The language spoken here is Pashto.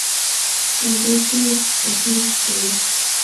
راځئ ځو څخنک کوو.